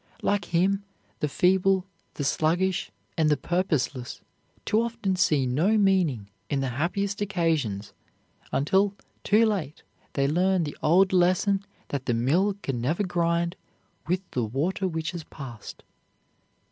Like him the feeble, the sluggish, and the purposeless too often see no meaning in the happiest occasions, until too late they learn the old lesson that the mill can never grind with the water which has passed.